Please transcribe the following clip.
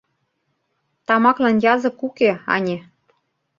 Тамаклан язык уке, ане.